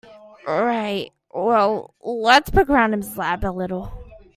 Right, well let's poke around his lab a little.